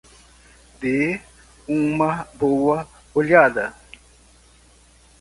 Dê uma boa olhada.